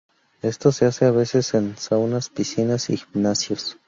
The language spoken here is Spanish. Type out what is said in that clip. Esto se hace a veces en saunas, piscinas y gimnasios.